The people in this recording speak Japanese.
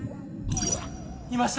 いました！